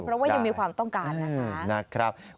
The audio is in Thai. เพราะว่ายังมีความต้องการนะคะ